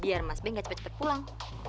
biar mas besurti enggak cepet cepet pulang